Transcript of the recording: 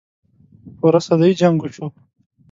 پوره صدۍ جـنګ وشو.